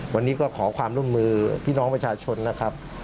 วันนี้ก็ขอความร่วมมือชาวชนนะครับ